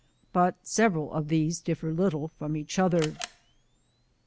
But several of these diflfer little from each other.